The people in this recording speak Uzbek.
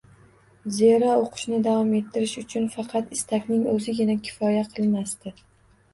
Zero, o'qishni davom ettirish uchun faqat istakning o'zigina kifoya qilmasdi.